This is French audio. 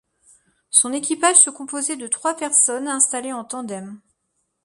Son équipage se composait de trois personnes installées en tandem.